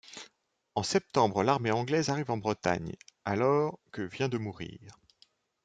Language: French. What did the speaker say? En septembre l'armée anglaise arrive en Bretagne alors que vient de mourir.